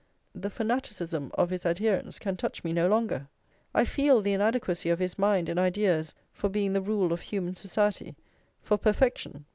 the fanaticism of his adherents can touch me no longer; I feel the inadequacy of his mind and ideas for being the rule of human society, for perfection.